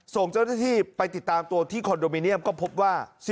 ส่งเจ้าหน้าที่ไปติดตามตัวที่คอนโดมิเนียมก็พบว่า